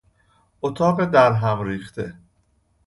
اتاق درهم ریخته